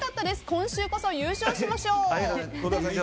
今週こそ優勝しましょう！